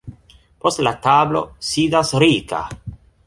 Post la tablo sidas Rika.